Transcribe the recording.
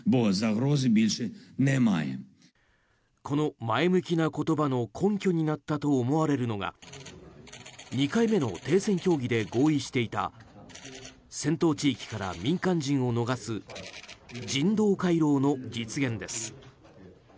この前向きな言葉の根拠になったと思われるのが２回目の停戦協議で合意していた戦闘地域から民間人を逃す人道回廊の実現です。